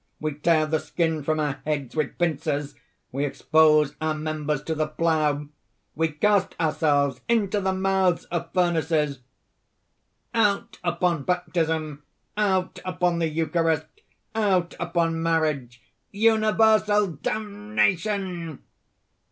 We tear the skin from our heads with pincers; we expose our members to the plough; we cast ourselves into the mouths of furnaces! "Out upon baptism! out upon the Eucharist! out upon marriage! universal damnation!"